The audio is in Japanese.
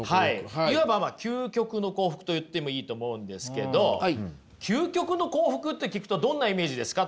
いわばまあ「究極の幸福」と言ってもいいと思うんですけど究極の幸福って聞くとどんなイメージですか？